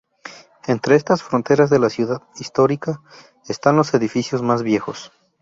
Entre estas fronteras de la ciudad histórica están los edificios más viejos.